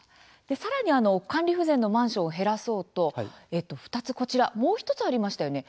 さらに、管理不全のマンションを減らそうと２つこちらもう１つありましたよね。